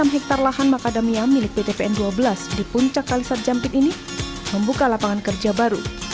tiga puluh enam hektare lahan macadamia milik ptpn dua belas di puncak kalisat jampit ini membuka lapangan kerja baru